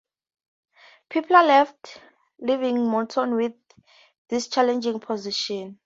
Pepler left leaving Morton with this challenging position.